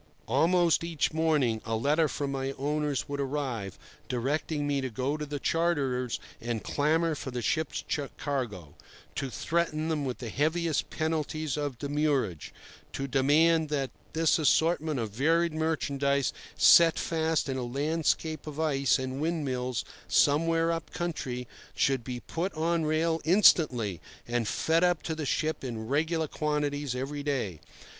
Almost each morning a letter from my owners would arrive, directing me to go to the charterers and clamour for the ship's cargo; to threaten them with the heaviest penalties of demurrage; to demand that this assortment of varied merchandise, set fast in a landscape of ice and windmills somewhere up country, should be put on rail instantly, and fed up to the ship in regular quantities every day.